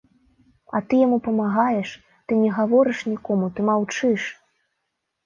А ты яму памагаеш, ты не гаворыш нікому, ты маўчыш!